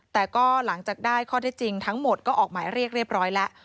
แต่ก็หลังจากได้ข้อที่จริงทั้งหมดก็ออกหมายเรียกเรียบร้อยแล้ว